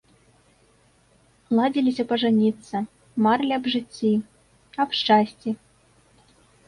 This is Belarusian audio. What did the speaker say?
Ладзіліся пажаніцца, марылі аб жыцці, аб шчасці.